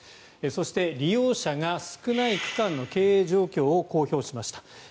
そして、利用者が少ない区間の経営状況を公表しました。